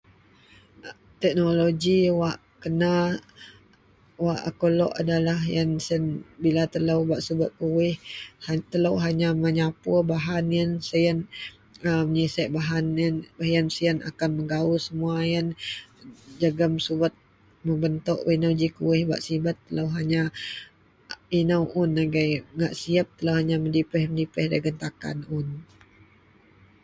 Teknoloji wak kena wak akou lok adalah iyen siyen bila telo bak subet kuwih telo hanya menyapur bahan iyen menyisiek siyen akan mengawul semua iyen jegem subet mebentok wak ino ji kuwih ino un iyen bak sibet hanya medipeh-medipeh dagen takan ino un.